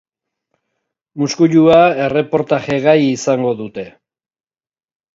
Muskuilua erreportaje gai izango dute.